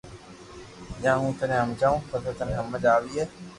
يا ھون ٿني ھمجاوُ پسي ٿني ھمج آوئي